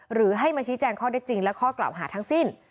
หรือให้มาชี้แจงข้อได้จริงและข้อกล่าวหาทั้งสิ้น